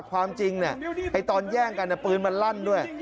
ความจริงเนี่ยตอนแย่งกันเนี่ยปืนมันรั่นด้วย